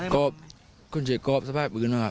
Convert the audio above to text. ก็คงเจอกรพเสวปื้นน่ะ